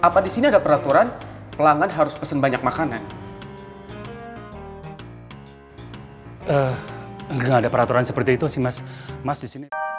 gak ada peraturan seperti itu sih mas